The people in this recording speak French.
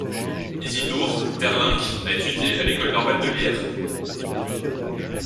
Isidoor Teirlinck a étudié à l'école normale de Lierre.